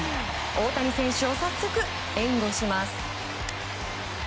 大谷選手を早速、援護します。